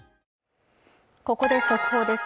ここで速報です。